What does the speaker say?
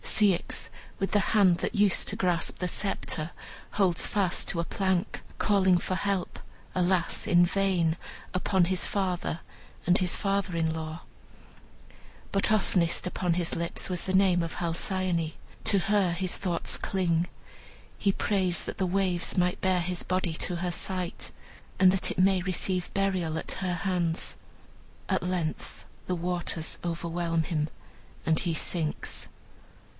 Ceyx, with the hand that used to grasp the sceptre, holds fast to a plank, calling for help, alas, in vain, upon his father and his father in law. But oftenest on his lips was the name of Halcyone. To her his thoughts cling. He prays that the waves may bear his body to her sight, and that it may receive burial at her hands. At length the waters overwhelm him, and he sinks.